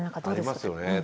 ありますよね。